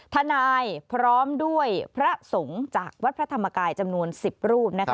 ทนายพร้อมด้วยพระสงฆ์จากวัดพระธรรมกายจำนวน๑๐รูปนะคะ